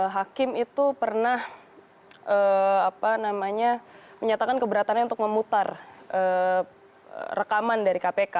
hakim itu pernah menyatakan keberatannya untuk memutar rekaman dari kpk